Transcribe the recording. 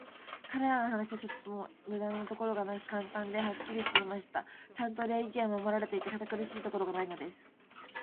彼等の話は、ちょっとも無駄なところがなく、簡単で、はっきりしていました。ちゃんと礼儀は守られていて、堅苦しいところがないのです。